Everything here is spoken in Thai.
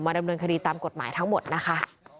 ดำเนินคดีตามกฎหมายทั้งหมดนะคะ